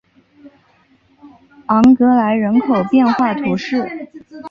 昂格莱人口变化图示